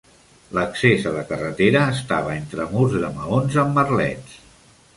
L'accés a la carretera estava entre murs de maons amb merlets.